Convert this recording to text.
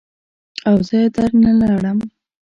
او زه در نه لاړم.